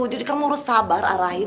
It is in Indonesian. jadi kamu harus sabar arahin